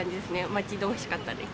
待ち遠しかったです。